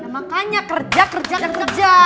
makanya kerja kerja kerja